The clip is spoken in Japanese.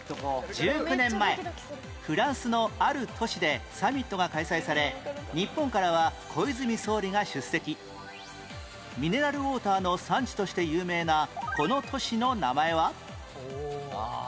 １９年前フランスのある都市でサミットが開催され日本からは小泉総理が出席ミネラルウォーターの産地として有名なこの都市の名前は？